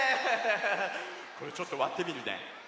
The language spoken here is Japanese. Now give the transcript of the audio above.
これちょっとわってみるね。